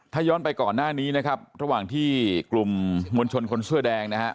ถ้าย้อนไปก่อนหน้านี้นะครับระหว่างที่กลุ่มมวลชนคนเสื้อแดงนะฮะ